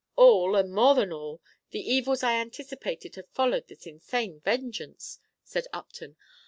"All, and more than all, the evils I anticipated have followed this insane vengeance," said Upton.